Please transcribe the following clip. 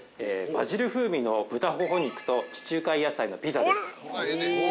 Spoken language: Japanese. バジル風味の豚ホホ肉と地中海野菜のピザです。